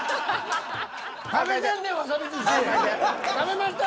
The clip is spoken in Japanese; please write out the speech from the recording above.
食べました。